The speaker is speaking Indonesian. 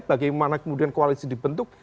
bagaimana kemudian koalisi dibentuk